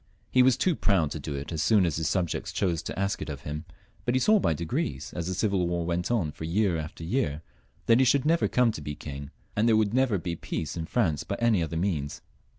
He was too proud to do it as soon as his subjects chose to ask it of him, but he saw by degrees, as the civil war went on for year after year, that he should never come to be king, and there would never be peace in France, by any other means.